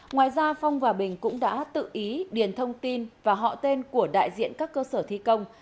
ngoài ra phong và bình cũng đã tự ý điền thông tin và họ tên của đại diện các cơ sở thi công